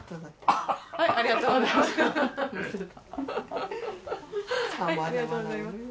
ありがとうございます。